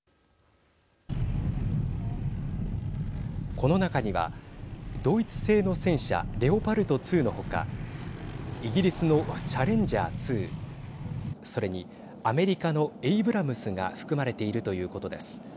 この中にはドイツ製の戦車レオパルト２の他イギリスのチャレンジャー２それにアメリカのエイブラムスが含まれているということです。